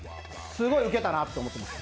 すごいウケたなと思ってます。